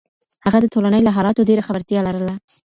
هغه د ټولنې له حالاتو ډیره خبرتیا لرله.